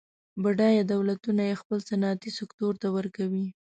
بډایه دولتونه یې خپل صنعتي سکتور ته ورکوي.